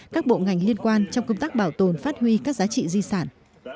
các bộ ngành liên quan trong công tác bảo tồn phát huy các giá trị di sản